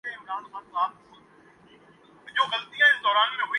قبول نہیں کرتا وہ دونوں کو باعزت سمجھتا ہے